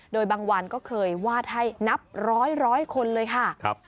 โดยบางวันก็เคยวาดให้นับร้อยคนเลยค่ะ